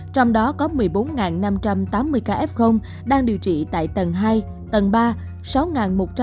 trong đó có một mươi bốn năm trăm tám mươi ca f đang điều trị tại tầng hai tầng ba